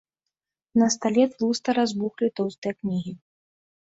На стале тлуста разбухлі тоўстыя кнігі.